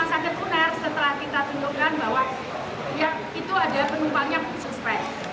nah sehingga kemudian dari rumah sakit unair setelah kita tunjukkan bahwa ya itu ada penumpangnya suspek